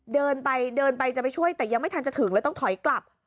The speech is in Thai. เดินไปเดินไปจะไปช่วยแต่ยังไม่ทันจะถึงแล้วต้องถอยกลับ